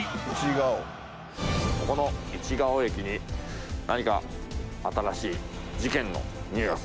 ここの市が尾駅に何か新しい事件のにおいがする。